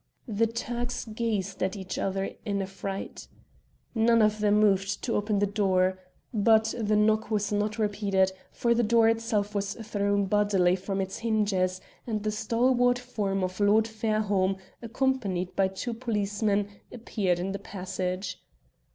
The Turks gazed at each other in affright. None of them moved to open the door. But the knock was not repeated, for the door itself was thrown bodily from its hinges, and the stalwart form of Lord Fairholme, accompanied by two policemen, appeared in the passage.